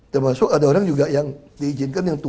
termasuk ada orang yang di izinkan